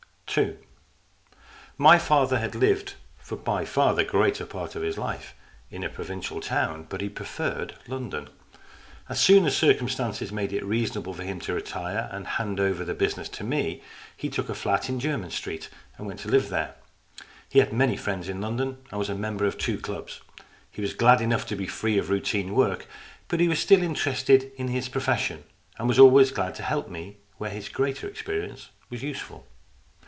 II MY father had lived for by far the greater part of his life in a provincial town, but he preferred London. As soon as circumstances made it reasonable for him to retire and to hand over the business to me, he took a flat in Jermyn Street and went to live there. He had many friends in London and was a member of two clubs. He was glad enough to be free of routine work, but he was still interested in his profession, and was always glad to help me where his greater experience was useful.